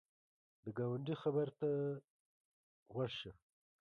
د ګاونډي خبر ته غوږ شه